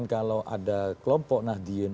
kalau ada kelompok nahdien